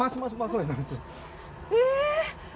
え！？